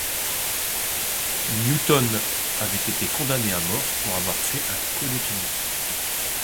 Newton avait été condamné à mort pour avoir tué un codétenu.